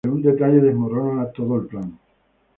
Pero un detalle desmorona todo el plan.